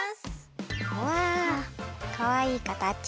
うわかわいいかたち！